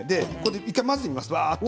１回混ぜてみます。